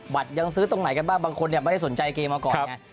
ยังซื้อตรงไหนกันบ้างบางคนไม่ได้สนใจเกมมาก่อนไง